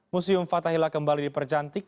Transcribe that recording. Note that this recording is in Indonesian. museum fathahila kembali dipercantik